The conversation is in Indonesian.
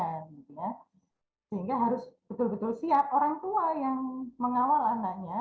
sehingga harus betul betul siap orang tua yang mengawal anaknya